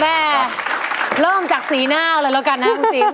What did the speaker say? แม่เริ่มจากศีนาเลยละกันนะอังสิม